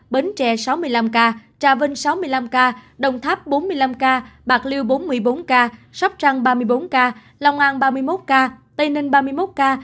bến tre sáu mươi năm ca trà vinh sáu mươi năm ca đồng tháp bốn mươi năm ca bạc liêu bốn mươi bốn ca sóc trăng ba mươi bốn ca long an ba mươi một ca tây ninh ba mươi một ca